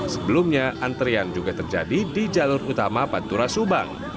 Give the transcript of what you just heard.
sebelumnya antrian juga terjadi di jalur utama pantura subang